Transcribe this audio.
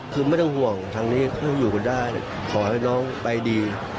คือไม่ต้องห่วงทางนี้ถ้าอยู่กันได้ขอให้น้องไปดี